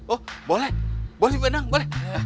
oh boleh boleh bu enang boleh